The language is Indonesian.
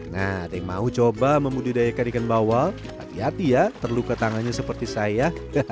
nah ada yang mau coba memudidayakan ikan bawal hati hati ya terluka tangannya seperti saya